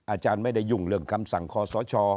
อาจารย์ไม่ได้ยุ่งเรื่องคำสั่งคอสช